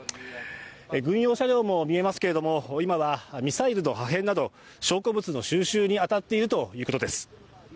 軍用車両も見えますけど、今はミサイルの破片など証拠物の収集に当たっているということです。